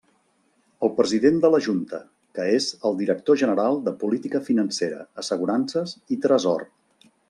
El president de la Junta, que és el director general de Política Financera, Assegurances i Tresor.